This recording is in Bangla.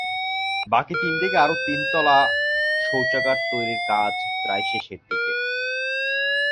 বাকি তিন দিকে আরও তিনটি তিনতলা শৌচাগার তৈরির কাজ প্রায় শেষের পথে।